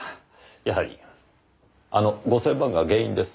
やはりあの５０００万が原因です。